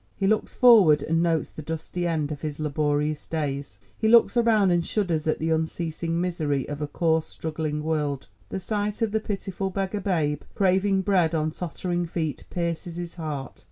He looks forward, and notes the dusty end of his laborious days; he looks around and shudders at the unceasing misery of a coarse struggling world; the sight of the pitiful beggar babe craving bread on tottering feet, pierces his heart.